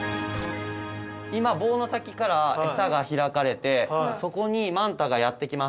今棒の先から餌が開かれてそこにマンタがやって来ます。